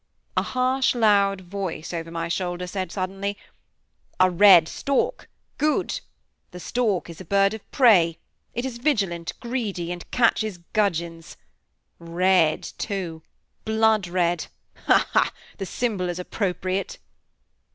A harsh, loud voice, over my shoulder, said suddenly: "A red stork good! The stork is a bird of prey; it is vigilant, greedy, and catches gudgeons. Red, too! blood red! Hal ha! the symbol is appropriate."